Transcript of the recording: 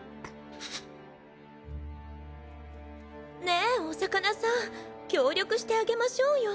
ねえお魚さん協力してあげましょうよ。